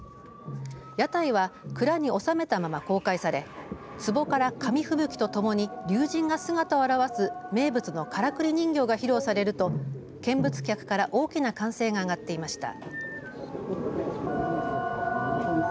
屋台は蔵に収めたまま公開されつぼから紙吹雪とともに龍神が姿を現す名物のからくり人形が披露されると見物客から大きな歓声が上がっていました。